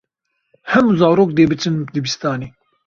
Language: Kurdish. Hemû zarok dê biçin dibistanê.